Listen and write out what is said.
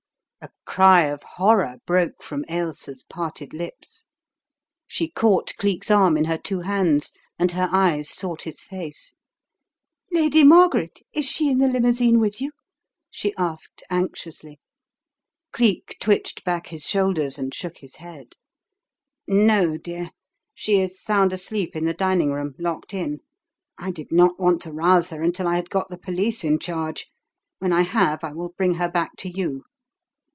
A cry of horror broke from Ailsa's parted lips. She caught Cleek's arm in her two hands, and her eyes sought his face. "Lady Margaret — is she in the limousine with you? " she asked anxiously. Cleek twitched back his shoulders stad shook his head. " No, dear. She is sound asleep in the dining room; locked in. I did not want to rouse her until I had got the police in charge. When I have I will bring her back to you."